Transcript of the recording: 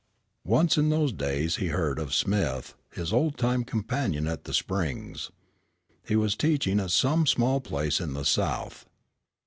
Once in those days he heard of Smith, his old time companion at the Springs. He was teaching at some small place in the South.